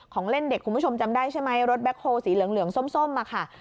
ของเล่นเด็กคุณผู้ชมจำได้ใช่ไหมรถแบ็คโฮลสีเหลืองส้มค่ะ